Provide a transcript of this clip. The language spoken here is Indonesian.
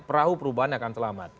perahu perubahan akan selamat